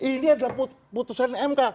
ini adalah putusan mk